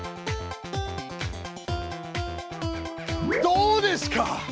どうですか？